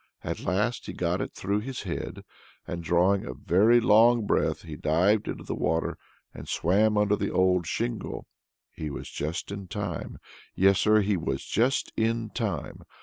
At last he got it through his head, and drawing a very long breath, he dived into the water and swam under the old shingle. He was just in time. Yes, Sir, he was just in time.